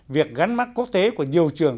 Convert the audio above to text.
việc gắn mắt quốc tế của nhiều trường